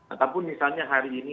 ataupun misalnya hari ini